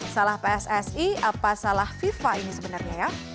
salah pssi apa salah fifa ini sebenarnya ya